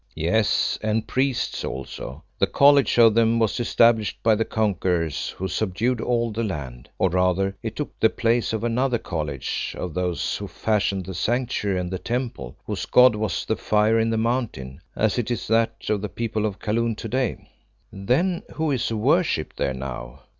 "Yes, and priests also. The College of them was established by the conquerors, who subdued all the land. Or rather, it took the place of another College of those who fashioned the Sanctuary and the Temple, whose god was the fire in the Mountain, as it is that of the people of Kaloon to day." "Then who is worshipped there now?"